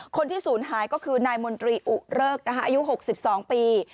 คนที่ศูนย์หายก็คือนายมนตรีอุเริกอายุ๖๒ปี